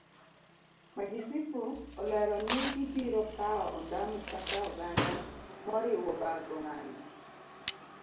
Majisifu olero ni gibiro kawo ondamo kaka oganda moriwo bago ng'anyo